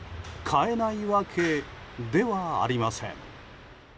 買えないわけではありません。